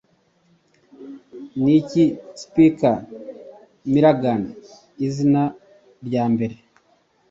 Niki Spike Milligans Izina Ryambere